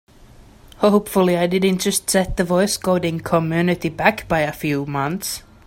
Hopefully I didn't just set the voice coding community back by a few months!